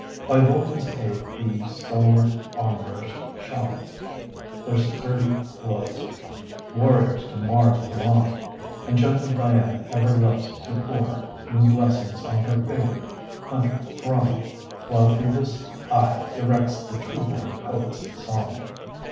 By Vulcan's aid the stalwart armorers show'r Their sturdy blows warriors to Mars belong And gentle Dian ever loves to pour New blessings on her favored hunter throng While Phoebus aye directs the true born poet's song.